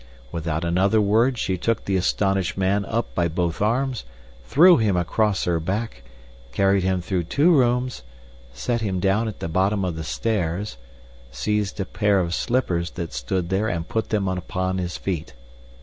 Without another word she took the astonished man up by both arms, threw him across her back, carried him through two rooms, set him down at the bottom of the stairs, seized a pair of slippers that stood there, and put them upon his feet.